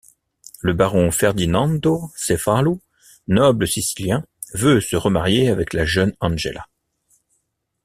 Le baron Ferdinando Cefalù, noble sicilien, veut se remarier avec la jeune Angela.